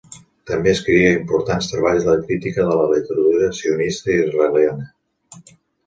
També escrigué importants treballs de crítica de la literatura sionista i israeliana.